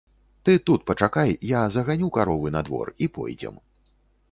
Ты тут пачакай, я заганю каровы на двор, і пойдзем.